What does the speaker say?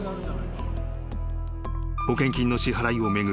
［保険金の支払いを巡り